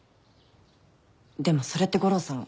でもそれって悟郎さん